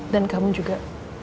dan kamu juga